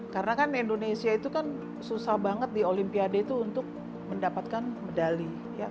karena kan indonesia itu kan susah banget di olimpiade itu untuk mendapatkan medali